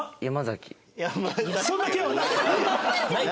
そんな県はない。